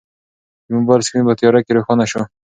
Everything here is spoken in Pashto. د موبایل سکرین په تیاره کې روښانه شو.